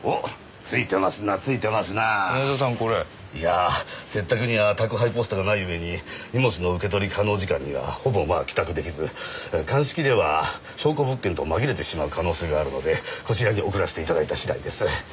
いやぁ拙宅には宅配ポストがないうえに荷物の受け取り可能時間にはほぼまあ帰宅出来ず鑑識では証拠物件と紛れてしまう可能性があるのでこちらに送らせて頂いた次第です。